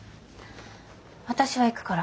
私は行くから。